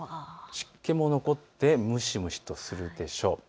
湿気も残って蒸し蒸しとするでしょう。